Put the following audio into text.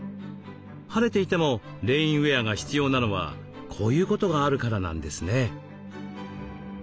晴れていてもレインウエアが必要なのはこういうことがあるからなんですね。